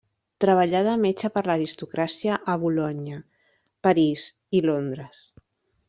Treballà de metge per l'aristocràcia a Bolonya, París i Londres.